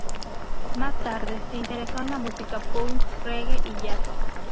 Más tarde se interesó en la música Punk, Reggae y jazz.